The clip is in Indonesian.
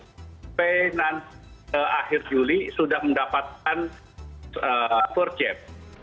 sampai akhir juli sudah mendapatkan forcet